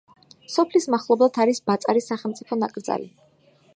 სოფლის მახლობლად არის ბაწარის სახელმწიფო ნაკრძალი.